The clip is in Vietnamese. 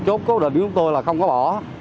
một mươi một chốt cố định với chúng tôi là không có bỏ